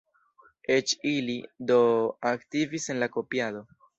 Eĉ ili, do, aktivis en la kopiado.